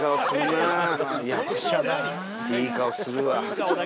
いい顔するわ。